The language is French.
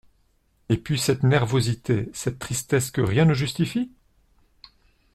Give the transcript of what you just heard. Et puis cette nervosité, cette tristesse que rien ne justifie ?